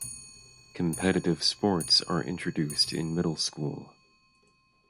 Competitive sports are introduced in Middle School.